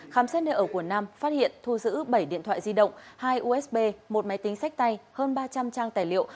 khám xét nơi ở quần nam phát hiện thu giữ bảy điện thoại di động hai usb một máy tính sách tay hơn ba trăm linh trang tài liệu